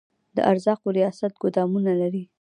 د ارزاقو ریاست ګدامونه لري؟